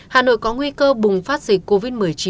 hà nội có nguy cơ bùng phát dịch covid một mươi chín